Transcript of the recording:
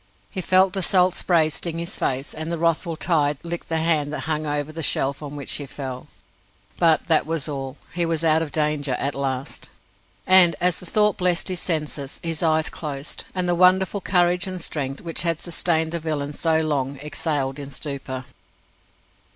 He felt the salt spray sting his face, and the wrathful tide lick the hand that hung over the shelf on which he fell. But that was all. He was out of danger at last! And as the thought blessed his senses, his eyes closed, and the wonderful courage and strength which had sustained the villain so long exhaled in stupor.